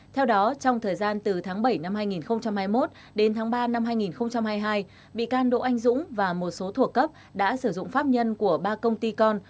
theo đó trong thời gian từ tháng bảy năm hai nghìn hai mươi một đến tháng ba năm hai nghìn hai mươi hai bị can đỗ anh dũng và một số thuộc cấp đã sử dụng pháp nhân của ba công ty con